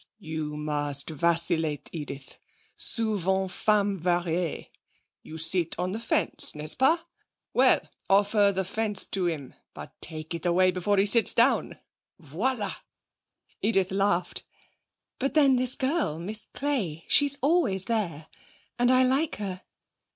You must vacillate, Edith. Souvent femme varie. You sit on the fence, n'est ce pas? Well, offer the fence to him. But, take it away before he sits down. Voilà!' Edith laughed. 'But then this girl, Miss Clay, she's always there. And I like her.'